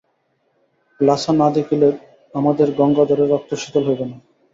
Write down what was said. লাসা না দেখিলে আমাদের গঙ্গাধরের রক্ত শীতল হইবে না।